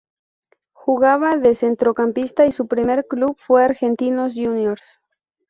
Jugaba de centrocampista y su primer club fue Argentinos Juniors.